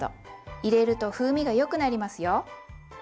入れると風味がよくなりますよ。